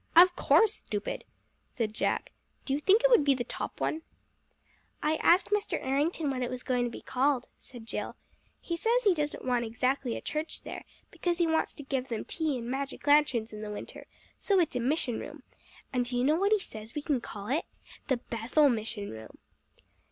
"Of course, stupid!" said Jack. "Do you think it would be the top one?" "I asked Mr. Errington what it was going to be called," said Jill. "He says he doesn't want exactly a church there, because he wants to give them tea and magic lanterns in the winter, so it's a mission room, and do you know what he says we can call it? The Bethel Mission room."